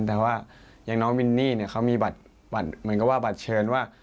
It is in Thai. แต่ว่าอย่างน้องมินนี่เขามีบัตรเหมือนกับว่าบัตรเชิญว่า